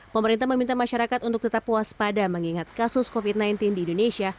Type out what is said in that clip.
pemerintah meminta masyarakat untuk tetap puas pada mengingat kasus covid sembilan belas di indonesia